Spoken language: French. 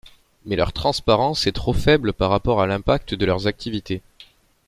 Mais leur transparence est trop faible par rapport à l‘impact de leurs activités.